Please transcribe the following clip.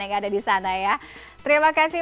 yang ada di sana ya terima kasih